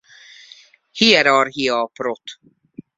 Hierarchia a prot.